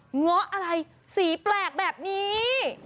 เงาะอะไรสีแปลกแบบนี้